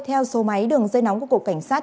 theo số máy đường dây nóng của cục cảnh sát